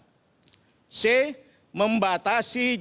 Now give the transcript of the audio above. c membatasi jumlah penyakit yang diperlukan